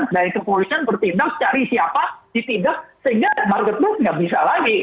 nah kepolisian bertindak cari siapa ditindak sehingga market buka nggak bisa lagi